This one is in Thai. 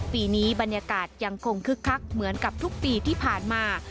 ปีนี้บรรยากาศยังคงคึกคักเหมือนกับทุกปีที่ผ่านมา